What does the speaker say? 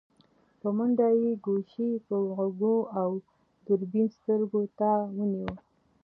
په منډه يې ګوشي په غوږو او دوربين سترګو ته ونيو.